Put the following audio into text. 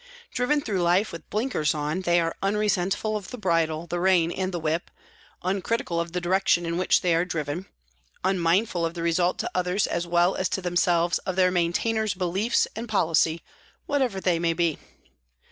Driven through life with blinkers on, they are unresentful of the bridle, the rein and the whip, uncritical of the direction in which they are driven, unmindful of the result to others as well as to them selves of their maintainer's beliefs and policy, what ever they may be.